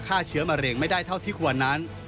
ฆ่าเชื้อมะเร็งไม่ได้เท่าที่ควรนั้น